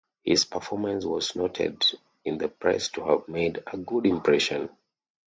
His performance was noted in the press to have made a good impression.